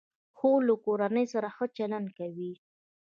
خور له کورنۍ سره ښه چلند کوي.